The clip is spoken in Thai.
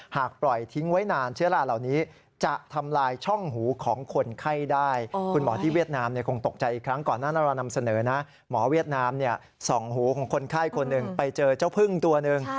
ห่วงหูของคนไข้คนหนึ่งไปเจอเจ้าพึ่งตัวหนึ่ง